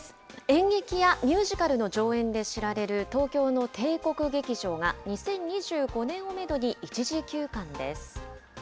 演劇やミュージカルの上演で知られる、東京の帝国劇場が２０２５年をメドに一時休館です。